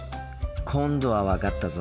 今度は分かったぞ。